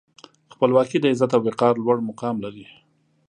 خپلواکي د عزت او وقار لوړ مقام لري.